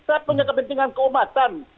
saya punya kepentingan keumatan